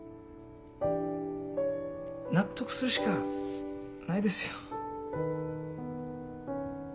納得するしかないですよ。